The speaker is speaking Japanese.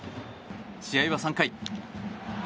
試合は３回。